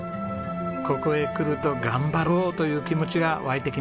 ここへ来ると頑張ろうという気持ちが湧いてきます。